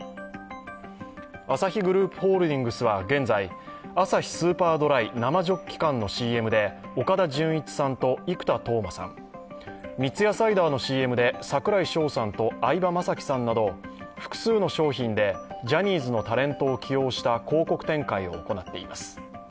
アサヒグループホールディングスは現在アサヒスーパードライ生ジョッキ缶のＣＭで岡田准一さんと生田斗真さん、三ツ矢サイダーのＣＭで櫻井翔さんと相葉雅紀さんなど複数の商品でジャニーズのタレントを起用した広告展開を行っています。